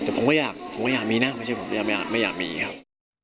แต่ผมก็อยากผมก็อยากมีนะไม่ใช่ผมไม่อยากมีครับ